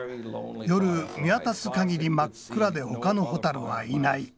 夜見渡す限り真っ暗でほかの蛍はいない。